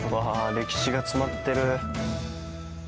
歴史が詰まってる。